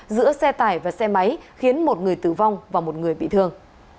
giữa xe tải và xe máy khiến một người tử vong và một người bị thương